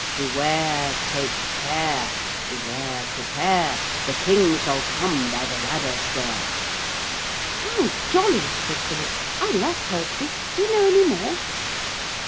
Beware, take care. Beware, prepare, The king shall come by the ladder stair. 'How jolly,' said Philip; 'I love poetry. Do you know any more?'